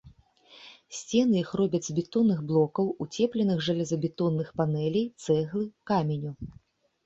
Сцены іх робяць з бетонных блокаў, уцепленых жалезабетонных панэлей, цэглы, каменю.